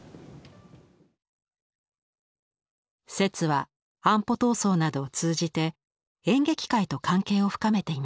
摂は安保闘争などを通じて演劇界と関係を深めていました。